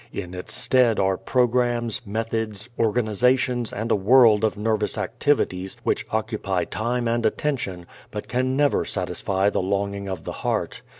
In its stead are programs, methods, organizations and a world of nervous activities which occupy time and attention but can never satisfy the longing of the heart.